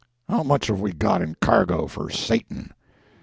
"How much have we got in cargo for Satan?"